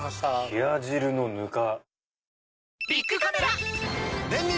冷汁のぬか。